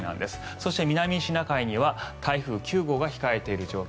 そして南シナ海には台風９号が控えている状況。